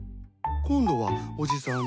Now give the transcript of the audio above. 今度はおじさん。